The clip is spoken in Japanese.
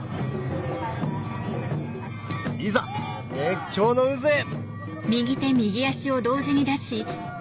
いざ熱狂の渦へ！